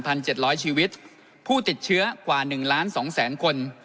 เจ็ดร้อยชีวิตผู้ติดเชื้อกว่าหนึ่งล้านสองแสนคน